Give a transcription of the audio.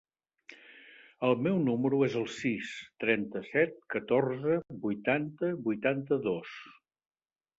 El meu número es el sis, trenta-set, catorze, vuitanta, vuitanta-dos.